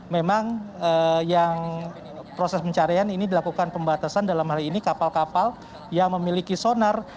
memang yang proses pencarian ini dilakukan pembatasan dalam hal ini kapal kapal yang memiliki sonar